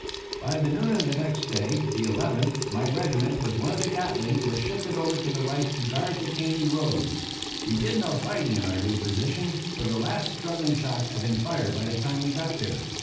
By noon of next day, the 11th, my regiment with one of the Gatlings was shifted over to the right to guard the Caney road. We did no fighting in our new position, for the last straggling shot had been fired by the time we got there.